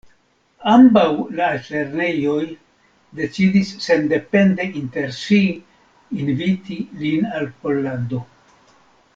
Ambaŭ altlernejoj decidis sendepende inter si inviti lin al Pollando.